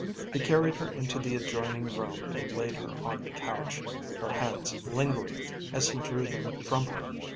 He carried her into the adjoining room and laid her on the couch, his hands lingering as he drew them from her.